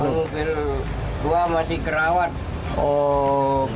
maka mobil gua masih kerawat